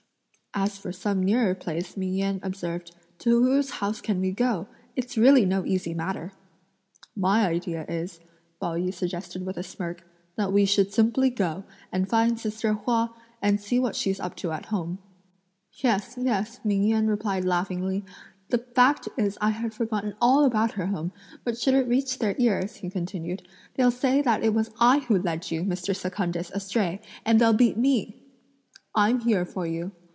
"As for some nearer place," Ming Yen observed; "to whose house can we go? It's really no easy matter!" "My idea is," Pao yü suggested with a smirk, "that we should simply go, and find sister Hua, and see what she's up to at home." "Yes! Yes!" Ming Yen replied laughingly; "the fact is I had forgotten all about her home; but should it reach their ears," he continued, "they'll say that it was I who led you, Mr. Secundus, astray, and they'll beat me!" "I'm here for you!"